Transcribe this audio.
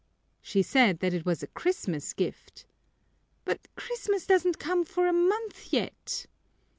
"She said that it was a Christmas gift " "But Christmas doesn't come for a month yet!"